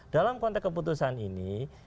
dalam konteks keputusan ini